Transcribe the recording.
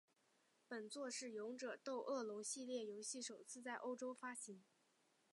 本作是勇者斗恶龙系列游戏首次在欧洲发行。